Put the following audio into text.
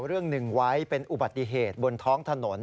เรื่องหนึ่งไว้เป็นอุบัติเหตุบนท้องถนน